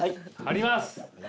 貼ります！